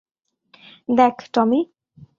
দেখ, টমি।